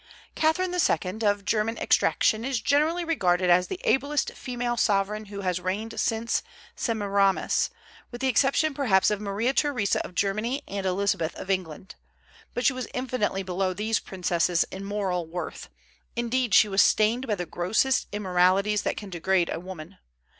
Catherine II., of German extraction, is generally regarded as the ablest female sovereign who has reigned since Semiramis, with the exception perhaps of Maria Theresa of Germany and Elizabeth of England; but she was infinitely below these princesses in moral worth, indeed, she was stained by the grossest immoralities that can degrade a woman.